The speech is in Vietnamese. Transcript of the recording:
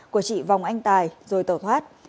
của chị vòng anh tài rồi tẩu thoát